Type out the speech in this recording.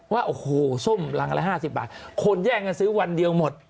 ว่าโอ้โหส้มรังละ๕๐บาทคนแย่งกันซื้อวันเดียวหมด